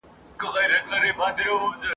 ته به سیوری د رقیب وهې په توره !.